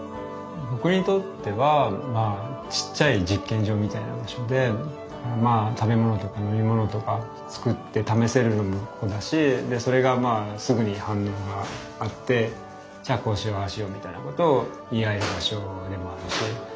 僕にとってはまあちっちゃい実験場みたいな場所でまあ食べ物とか飲み物とか作って試せるのもここだしでそれがまあすぐに反応があってじゃあこうしようああしようみたいなことを言い合える場所でもあるし。